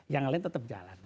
yang lain tetap jalan